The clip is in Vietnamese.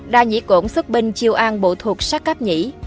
đa nhĩ cổn xuất binh chiêu an bộ thuộc sát cáp nhĩ